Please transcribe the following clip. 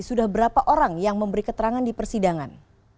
sudah berapa orang yang memberi keterangan di persidangan